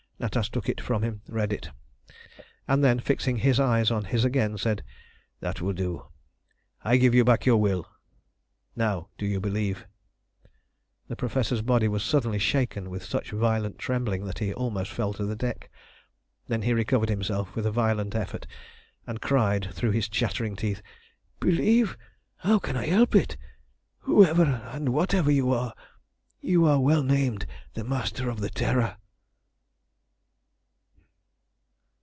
Natas took it from him, read it, and then fixing his eyes on his again, said "That will do. I give you back your will. Now, do you believe?" The Professor's body was suddenly shaken with such a violent trembling that he almost fell to the deck. Then he recovered himself with a violent effort, and cried through his chattering teeth "Believe! How can I help it? Whoever and whatever you are, you are well named the Master of the Terror."